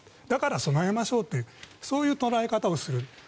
だから備えましょうという捉え方をする。